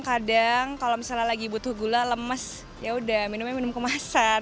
kadang kalau misalnya lagi butuh gula lemes yaudah minumnya minum kemasan